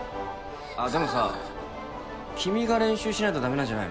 あっでもさ君が練習しないとダメなんじゃないの？